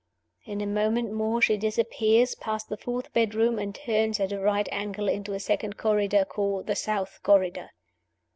In a moment more she disappears, past the fourth bedroom, and turns at a right angle, into a second corridor, called the South Corridor.